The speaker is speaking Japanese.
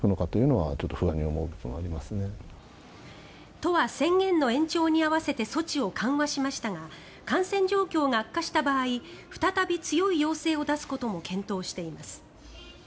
都は宣言の延長に合わせて措置を緩和しましたが感染状況が悪化した場合再び強い要請を出すことも検討しています。